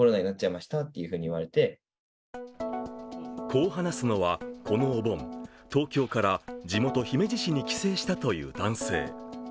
こう話すのは、このお盆、東京から地元・姫路市に帰省したという男性。